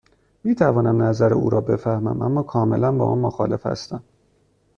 می توانم نظر او را بفهمم، اما کاملا با آن مخالف هستم.